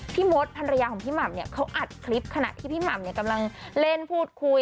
มดภรรยาของพี่หม่ำเนี่ยเขาอัดคลิปขณะที่พี่หม่ำเนี่ยกำลังเล่นพูดคุย